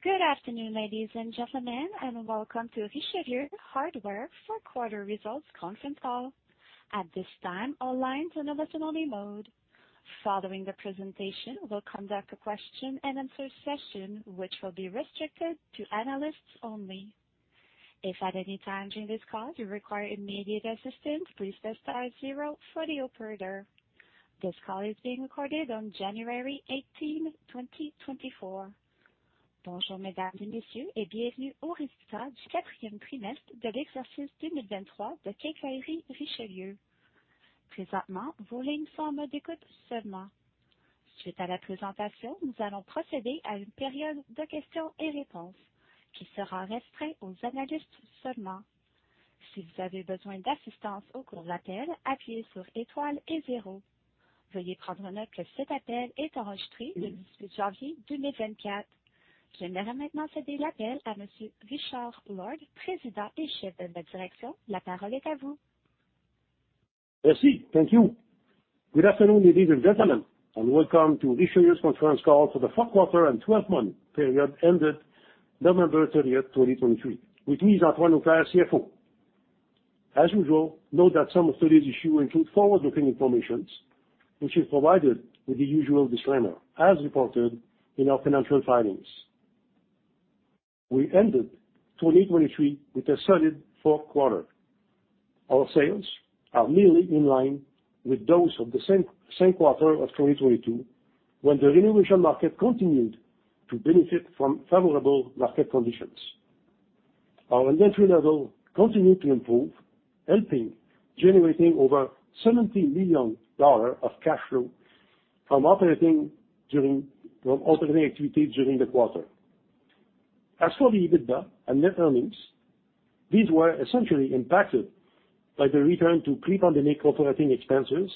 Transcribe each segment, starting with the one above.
Good afternoon, ladies and gentlemen, and welcome to Richelieu Hardware fourth quarter results conference call. At this time, all lines are in listen-only mode. Following the presentation, we'll conduct a question and answer session, which will be restricted to analysts only. If at any time during this call you require immediate assistance, please press star zero for the operator. This call is being recorded on January 18, 2024. Bonjour, mesdames et messieurs, et bienvenue aux résultats du quatrième trimestre de l'exercice 2023 de Quincaillerie Richelieu. Présentement, vos lignes sont en mode écoute seulement. Suite à la présentation, nous allons procéder à une période de questions et réponses, qui sera restreinte aux analystes seulement. Si vous avez besoin d'assistance au cours de l'appel, appuyez sur étoile et zéro. Veuillez prendre note que cet appel est enregistré le 10 janvier 2024. J'aimerais maintenant céder l'appel à Monsieur Richard Lord, Président et Chef de la Direction. La parole est à vous. Merci. Thank you. Good afternoon, ladies and gentlemen, and welcome to Richelieu's conference call for the fourth quarter and twelve-month period ended November 30th, 2023. With me is Antoine Auclair, CFO. As usual, note that some of today's issues include forward-looking information, which is provided with the usual disclaimer, as reported in our financial filings. We ended 2023 with a solid fourth quarter. Our sales are nearly in line with those of the same quarter of 2022, when the renovation market continued to benefit from favorable market conditions. Our inventory level continued to improve, helping generate over $70 million of cash flow from operating activities during the quarter. As for the EBITDA and net earnings, these were essentially impacted by the return to pre-pandemic operating expenses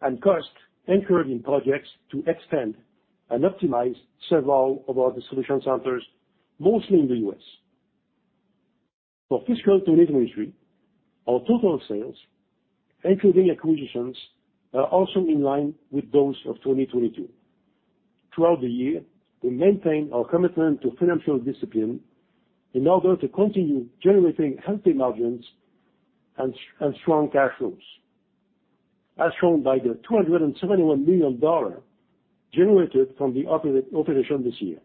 and costs incurred in projects to extend and optimize several of our solution centers, mostly in the U.S. For fiscal 2023, our total sales, including acquisitions, are also in line with those of 2022. Throughout the year, we maintained our commitment to financial discipline in order to continue generating healthy margins and strong cash flows, as shown by the $271 million generated from operations this year.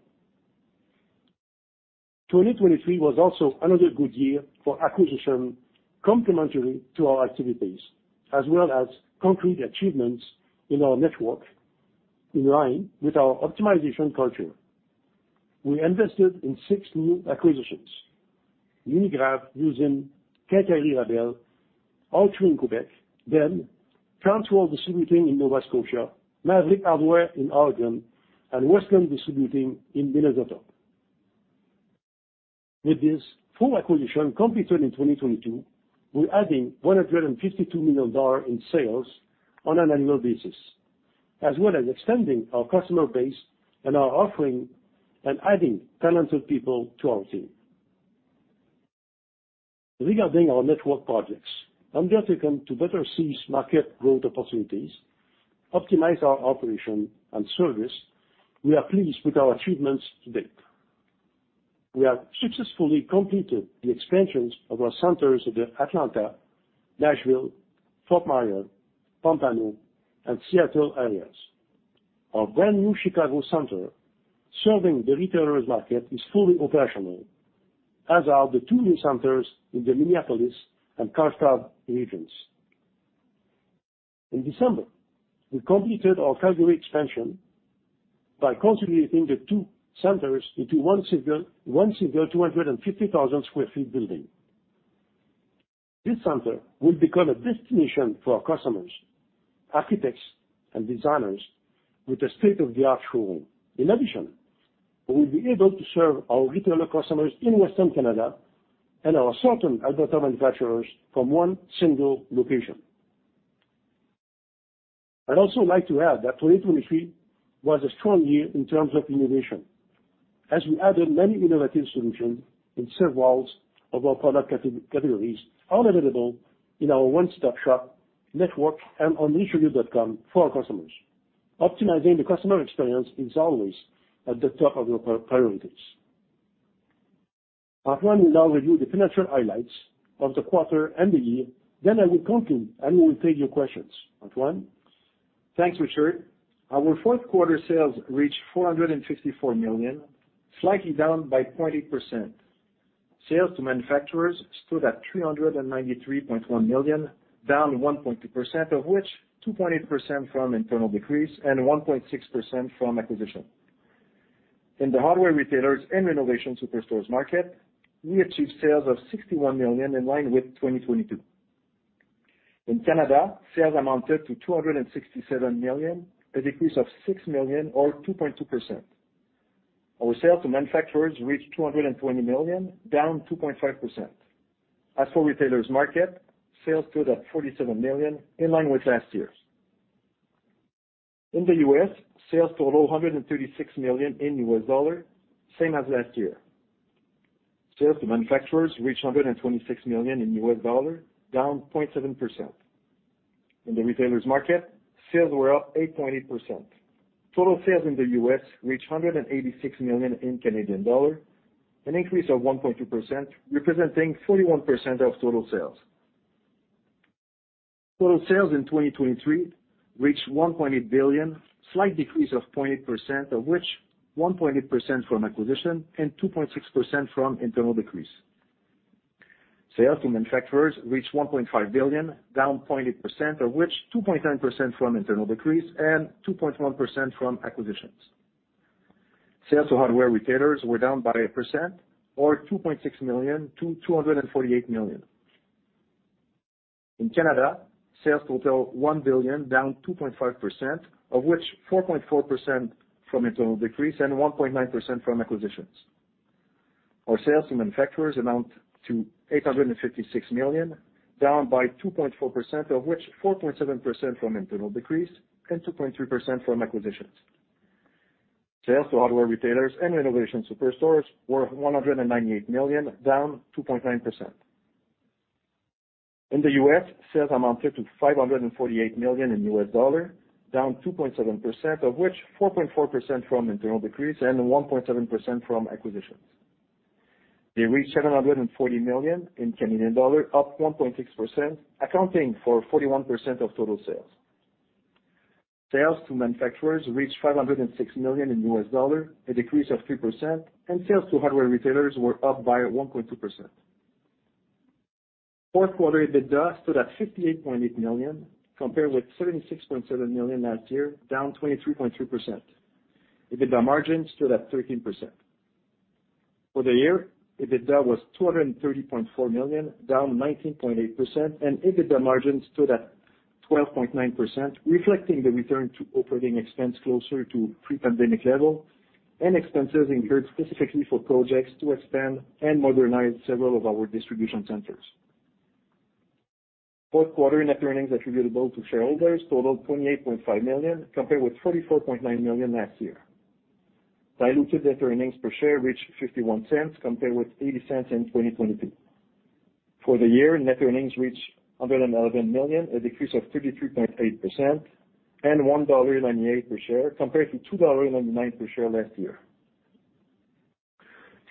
2023 was also another good year for acquisitions complementary to our activities, as well as concrete achievements in our network in line with our optimization culture. We invested in six new acquisitions: Unigra, Usimm, Quincaillerie R. Laberge, all three in Quebec, then Transworld Distributing in Nova Scotia, Maverick Hardware in Oregon, and West Coast Distributing in Minnesota. With this full acquisition completed in 2022, we're adding $152 million in sales on an annual basis, as well as extending our customer base and our offering and adding talented people to our team. Regarding our network projects, undertaken to better seize market growth opportunities, optimize our operation and service, we are pleased with our achievements to date. We have successfully completed the expansions of our centers in the Atlanta, Nashville, Fort Myers, Pompano, and Seattle areas. Our brand new Chicago center, serving the retailers market, is fully operational, as are the two new centers in the Minneapolis and Chicago regions. In December, we completed our Calgary expansion by consolidating the two centers into one single 250,000 square feet building. This center will become a destination for our customers, architects, and designers with a state-of-the-art showroom. In addition, we will be able to serve our retailer customers in Western Canada and our certain Alberta manufacturers from one single location. I'd also like to add that 2023 was a strong year in terms of innovation, as we added many innovative solutions in several of our product categories, all available in our one-stop-shop network and on richelieu.com for our customers. Optimizing the customer experience is always at the top of our priorities. Antoine will now review the financial highlights of the quarter and the year. Then I will continue, and we will take your questions. Antoine? Thanks, Richard. Our fourth quarter sales reached $454 million, slightly down by 0.8%. Sales to manufacturers stood at $393.1 million, down 1.2%, of which 2.8% from internal decrease and 1.6% from acquisition. In the hardware retailers and renovation superstores market, we achieved sales of $61 million, in line with 2022. In Canada, sales amounted to $267 million, a decrease of $6 million or 2.2%. Our sales to manufacturers reached $220 million, down 2.5%. As for retailers market, sales stood at $47 million, in line with last year's. In the U.S., sales total $136 million in U.S. dollars, same as last year. Sales to manufacturers reached $126 million in U.S. dollars, down 0.7%. In the retailers market, sales were up 8.8%. Total sales in the US reached $186 million in Canadian dollars, an increase of 1.2%, representing 41% of total sales. Total sales in 2023 reached $1.8 billion, a slight decrease of 0.8%, of which 1.8% from acquisition and 2.6% from internal decrease. Sales to manufacturers reached $1.5 billion, down 0.8%, of which 2.9% from internal decrease and 2.1% from acquisitions. Sales to hardware retailers were down by 1% or $2.6 million to $248 million. In Canada, sales total $1 billion, down 2.5%, of which 4.4% from internal decrease and 1.9% from acquisitions. Our sales to manufacturers amount to $856 million, down by 2.4%, of which 4.7% from internal decrease and 2.3% from acquisitions. Sales to hardware retailers and renovation superstores were $198 million, down 2.9%. In the US, sales amounted to $548 million in US dollars, down 2.7%, of which 4.4% from internal decrease and 1.7% from acquisitions. They reached $740 million in Canadian dollars, up 1.6%, accounting for 41% of total sales. Sales to manufacturers reached $506 million in U.S. dollars, a decrease of 3%, and sales to hardware retailers were up by 1.2%. Fourth quarter EBITDA stood at $58.8 million, compared with $76.7 million last year, down 23.3%. EBITDA margin stood at 13%. For the year, EBITDA was $230.4 million, down 19.8%, and EBITDA margin stood at 12.9%, reflecting the return to operating expense closer to pre-pandemic level and expenses incurred specifically for projects to expand and modernize several of our distribution centers. Fourth quarter net earnings attributable to shareholders totaled $28.5 million, compared with $44.9 million last year. Diluted net earnings per share reached $0.51, compared with $0.80 in 2022. For the year, net earnings reached $111 million, a decrease of 33.8%, and $1.98 per share, compared to $2.99 per share last year.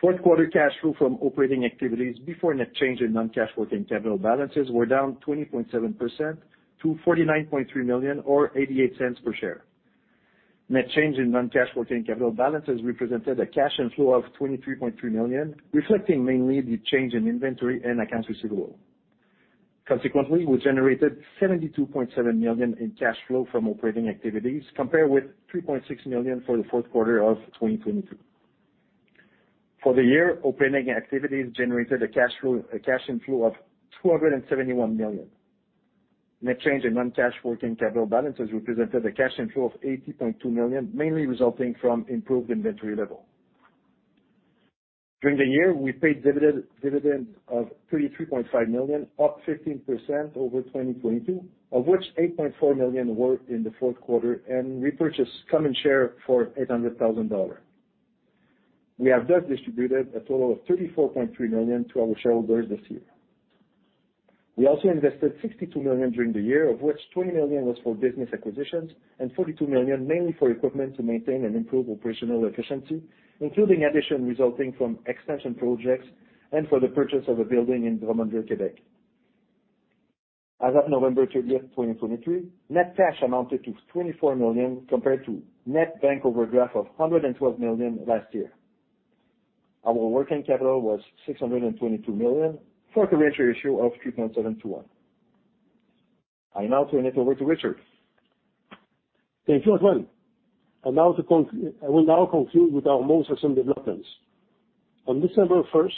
Fourth quarter cash flow from operating activities before net change in non-cash working capital balances were down 20.7% to $49.3 million or $0.88 per share. Net change in non-cash working capital balances represented a cash inflow of $23.3 million, reflecting mainly the change in inventory and accounts receivable. Consequently, we generated $72.7 million in cash flow from operating activities, compared with $3.6 million for the fourth quarter of 2022. For the year, operating activities generated a cash flow, a cash inflow of $271 million. Net change in non-cash working capital balances represented a cash inflow of $80.2 million, mainly resulting from improved inventory level. During the year, we paid dividends of $33.5 million, up 15% over 2022, of which $8.4 million were in the fourth quarter, and repurchased common shares for $800,000. We have thus distributed a total of $34.3 million to our shareholders this year. We also invested $62 million during the year, of which $20 million was for business acquisitions and $42 million mainly for equipment to maintain and improve operational efficiency, including additions resulting from expansion projects and for the purchase of a building in Drummondville, Quebec. As of November 30, 2023, net cash amounted to $24 million, compared to net bank overdraft of $112 million last year. Our working capital was $622 million, for a current ratio of 3.7 to 1. I now turn it over to Richard. Thank you, Antoine. I will now conclude with our most recent developments. On December 1st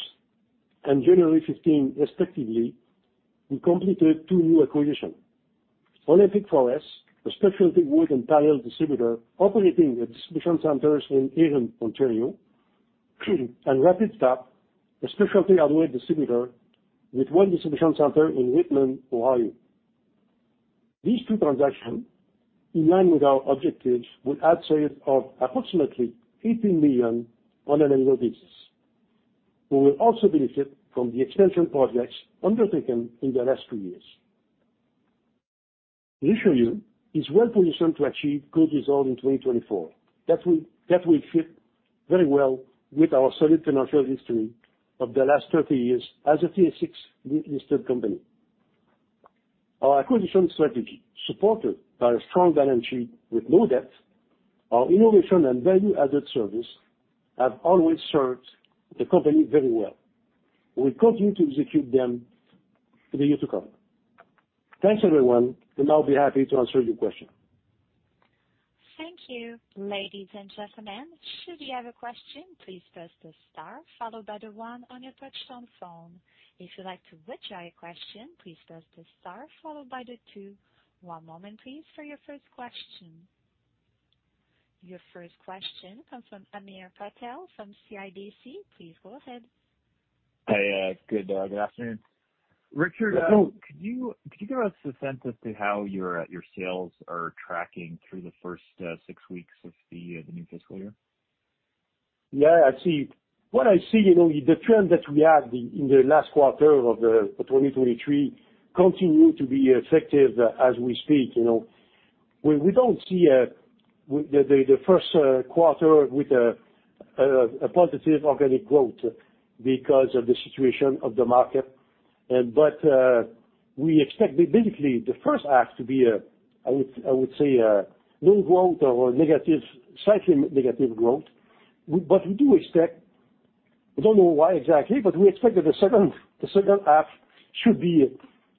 and January 15th, respectively, we completed two new acquisitions. Olympic Forest, a specialty wood and tile distributor operating its distribution centers in Erin, Ontario, and Rapid Stap, a specialty hardware distributor with one distribution center in Whitman, Ohio. These two transactions, in line with our objectives, will add sales of approximately $18 million on an annual basis. We will also benefit from the expansion projects undertaken in the last two years. Richelieu is well-positioned to achieve good results in 2024. That will fit very well with our solid financial history of the last 30 years as a TSX listed company. Our acquisition strategy, supported by a strong balance sheet with no debt, our innovation and value-added service, have always served the company very well. We continue to execute them in the year to come. Thanks, everyone, and I'll be happy to answer your questions. Thank you, ladies and gentlemen. Should you have a question, please press the star followed by the one on your touchtone phone. If you'd like to withdraw your question, please press the star followed by the two. One moment, please, for your first question. Your first question comes from Hamir Patel from CIBC. Please go ahead. Hi, good afternoon. Richard, could you give us a sense as to how your sales are tracking through the first six weeks of the new fiscal year? Yeah, I see. What I see, you know, the trend that we had in the last quarter of 2023 continue to be effective as we speak, you know. We don't see the first quarter with a positive organic growth because of the situation of the market. But we expect basically the first half to be, I would say, low growth or negative, slightly negative growth. But we do expect... We don't know why exactly, but we expect that the second half should be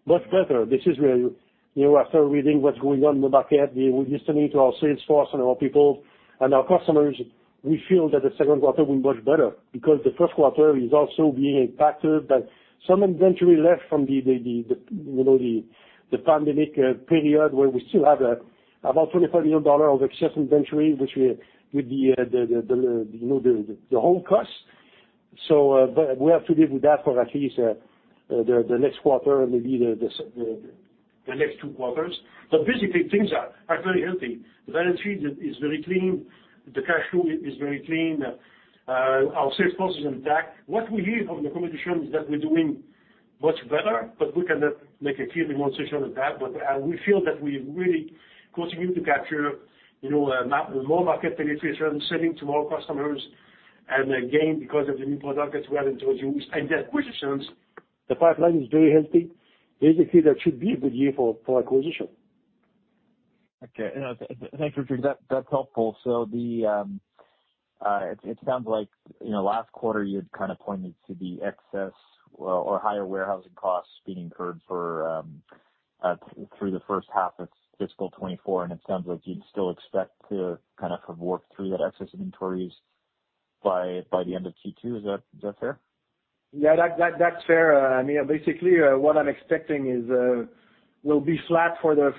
much better. This is where, you know, after reading what's going on in the market, we listening to our sales force and our people and our customers, we feel that the second quarter will be much better because the first quarter is also being impacted by some inventory left from the pandemic period, where we still have about $25 million of excess inventory, which we, with the whole cost. So, but we have to live with that for at least the next quarter, maybe the next two quarters. But basically, things are very healthy. The balance sheet is very clean. The cash flow is very clean. Our sales force is intact. What we hear from the competition is that we're doing much better, but we cannot make a clear demonstration of that. But we feel that we really continue to capture more market penetration, selling to more customers, and again, because of the new products that we have introduced and the acquisitions, the pipeline is very healthy. Basically, that should be a good year for acquisition. Okay, and thanks, Richard. That's helpful. So it sounds like, you know, last quarter you had kind of pointed to the excess or higher warehousing costs being incurred through the first half of fiscal 2024, and it sounds like you'd still expect to kind of have worked through that excess inventories by the end of Q2. Is that fair? Yeah, that's fair. I mean, basically, what I'm expecting is we'll be flat for the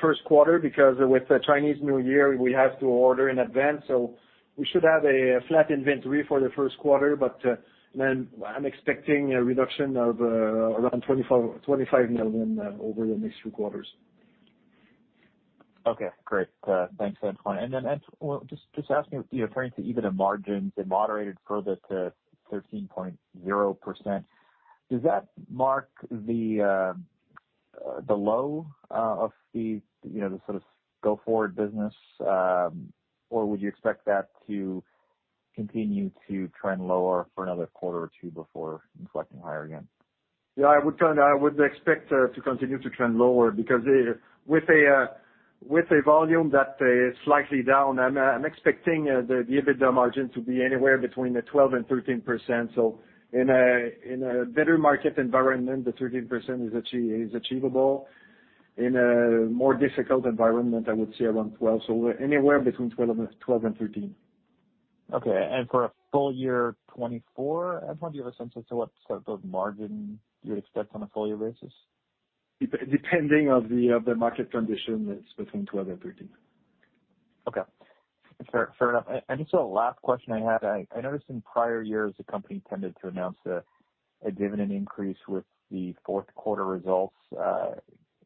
first quarter, because with the Chinese New Year, we have to order in advance. So we should have a flat inventory for the first quarter, but then I'm expecting a reduction of around $24 to 25 million over the next two quarters. Great. Thanks, Antoine. Just asking, turning to EBITDA margins, it moderated further to 13.0%. Does that mark the low of the go-forward business, or would you expect that to continue to trend lower for another quarter or two before inflecting higher again? Yeah, I would expect to continue to trend lower because with a volume that is slightly down, I'm expecting the EBITDA margin to be anywhere between 12% and 13%. So in a better market environment, 13% is achievable. In a more difficult environment, I would say around 12%. So anywhere between 12% and 13%. Okay. And for a full year 2024, Antoine, do you have a sense as to what sort of margin you would expect on a full year basis? Depending on the market condition, it's between twelve and thirteen. Okay, fair, fair enough. And just a last question I had, I noticed in prior years, the company tended to announce a dividend increase with the fourth quarter results.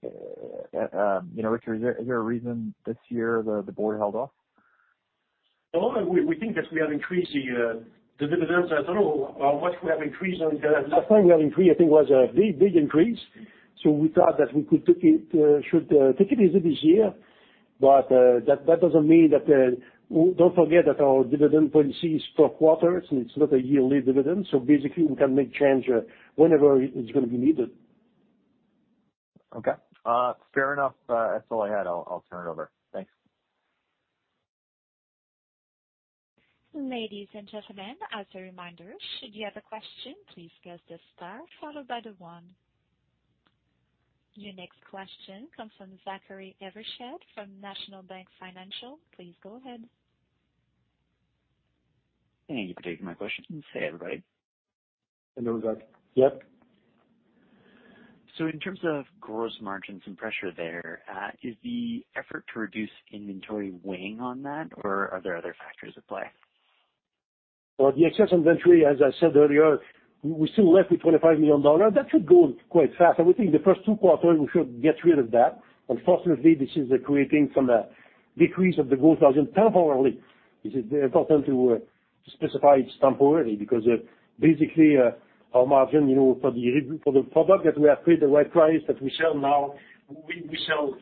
Richard, is there a reason this year the board held off? Well, we think that we have increased the dividends. I don't know how much we have increased. Last time we increased, I think, was a big increase, so we thought that we could take it easy this year. But that doesn't mean that... Don't forget that our dividend policy is per quarter. It's not a yearly dividend, so basically, we can make change whenever it's going to be needed. Okay, fair enough. That's all I had. I'll turn it over. Thanks. Ladies and gentlemen, as a reminder, should you have a question, please press the star followed by the one. Your next question comes from Zachary Evershed from National Bank Financial. Please go ahead. Thank you for taking my question. Hey, everybody. Hello, Zach. Yep. In terms of gross margins and pressure there, is the effort to reduce inventory weighing on that, or are there other factors at play? Well, the excess inventory, as I said earlier, we still left with $25 million. That should go quite fast. I would think the first two quarters, we should get rid of that. Unfortunately, this is creating some decrease of the gross margin temporarily. This is important to specify it's temporarily, because basically our margin for the product that we have paid the right price, that we sell now, we sell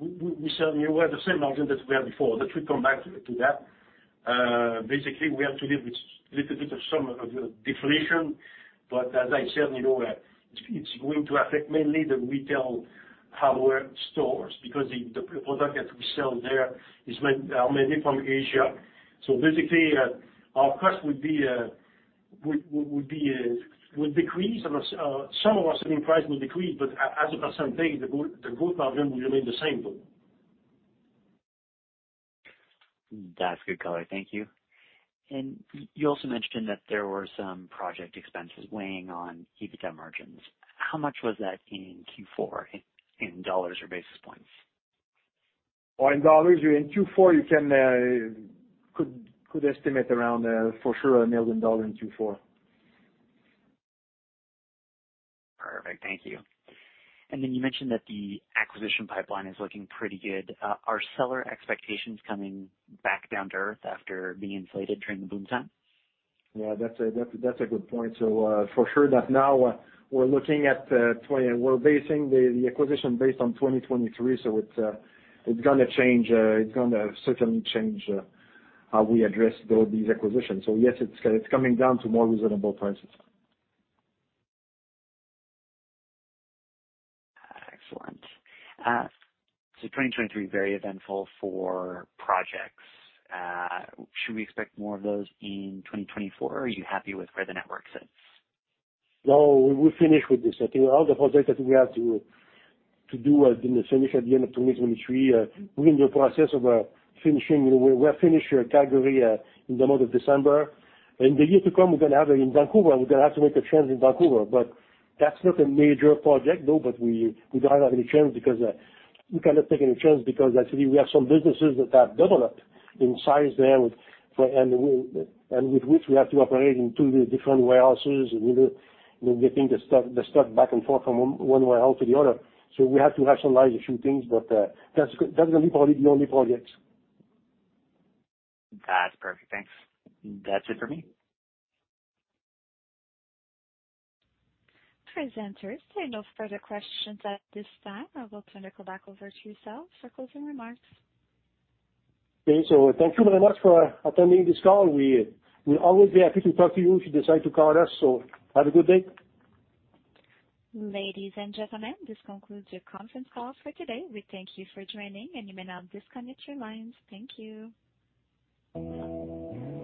the same margin that we had before. We come back to that. Basically, we have to live with a little bit of some of the deflation. But as I said, it's going to affect mainly the retail hardware stores, because the product that we sell there is mainly from Asia. Basically, our cost would decrease. Some of our selling price will decrease, but as a percentage, the gross margin will remain the same though. That's good color. Thank you. You also mentioned that there were some project expenses weighing on EBITDA margins. How much was that in Q4, in dollars or basis points? Well, in dollars, in Q4, you could estimate around, for sure, a million dollars in Q4. Perfect. Thank you. And then you mentioned that the acquisition pipeline is looking pretty good. Are seller expectations coming back down to earth after being inflated during the boom time? Yeah, that's a good point. So for sure that now we're looking at twenty... We're basing the acquisition based on 2023, so it's going to change, it's going to certainly change how we address these acquisitions. So yes, it's coming down to more reasonable prices. Excellent. So 2023, very eventful for projects. Should we expect more of those in 2024, or are you happy with where the network sits? No, we're finished with this. I think all the projects that we have to do have been finished at the end of 2023. We're in the process of finishing. We have finished Calgary in the month of December. In the year to come, we're going to have it in Vancouver. We're going to have to make a change in Vancouver, but that's not a major project, though, but we don't have any choice because we cannot take any chance because actually we have some businesses that have doubled up in size there, and with which we have to operate in two different warehouses, and we're getting the stuff back and forth from one warehouse to the other. So we have to rationalize a few things, but that's the only project. That's perfect. Thanks. That's it for me. Presenters, there are no further questions at this time. I will turn it back over to yourselves for closing remarks. Okay, so thank you very much for attending this call. We'll always be happy to talk to you if you decide to call us. Have a good day. Ladies and gentlemen, this concludes your conference call for today. We thank you for joining, and you may now disconnect your lines. Thank you.